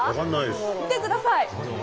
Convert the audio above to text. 見てください。